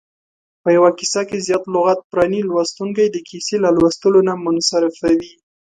په یوه کیسه کې زیاته لغت پراني لوستونکی د کیسې له لوستلو نه منصرفوي.